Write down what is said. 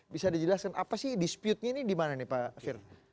bisa dijelaskan apa sih disputenya ini di mana nih pak fir